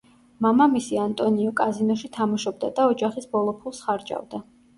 მამამისი ანტონიო კაზინოში თამაშობდა და ოჯახის ბოლო ფულს ხარჯავდა.